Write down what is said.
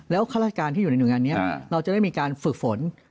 ข้าราชการที่อยู่ในหน่วยงานนี้เราจะได้มีการฝึกฝน